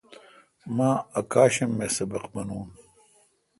مہ اکاشم می سبق منون۔